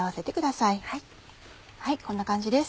はいこんな感じです。